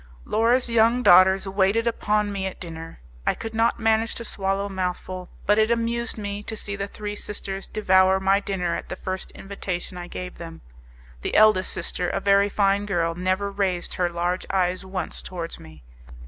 Laura's young daughters waited upon me at dinner; I could not manage to swallow a mouthful, but it amused me to see the three sisters devour my dinner at the first invitation I gave them. The eldest sister, a very fine girl, never raised her large eyes once towards me.